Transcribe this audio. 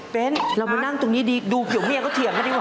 เป็นเรามานั่งตรงนี้ดีดูเกี่ยวเมียเขาเถียงกันดีกว่า